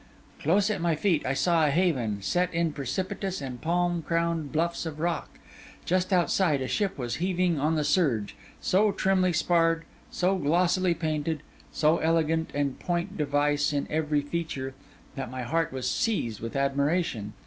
Close at my feet, I saw a haven, set in precipitous and palm crowned bluffs of rock. Just outside, a ship was heaving on the surge, so trimly sparred, so glossily painted, so elegant and point device in every feature, that my heart was seized with admiration.